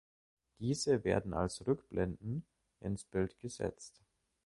Diese werden als Rückblenden ins Bild gesetzt.